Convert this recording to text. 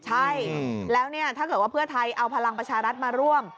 ใช่แล้วถ้าเกิดว่าเพื่อไทยเอาพลังประชารัฐมาร่วม